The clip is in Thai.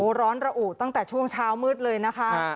ร้อนระอุตั้งแต่ช่วงเช้ามืดเลยนะคะ